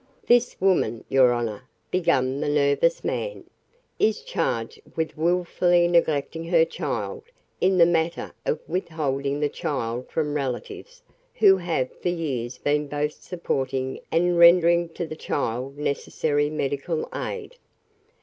"This woman, your honor," began the nervous man, "is charged with wilfully neglecting her child in the matter of withholding the child from relatives who have for years been both supporting and rendering to the child necessary medical aid."